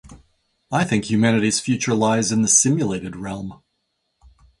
I think humanity’s future lies in the simulated realm.